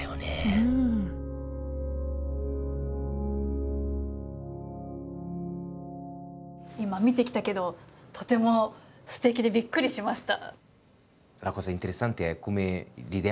うん今見てきたけどとてもすてきでびっくりしました。